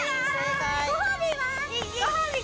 ご褒美は？